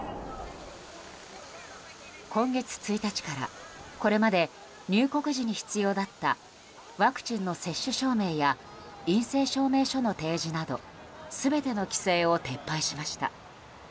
今月１日からこれまで入国時に必要だったワクチンの接種証明や陰性証明書の提示など全ての規制を撤廃しました。